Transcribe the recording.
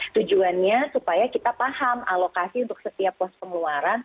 tujuannya supaya kita paham alokasi untuk setiap pos pengeluaran